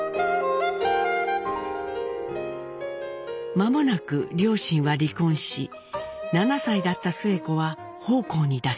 間もなく両親は離婚し７歳だったスエ子は奉公に出されます。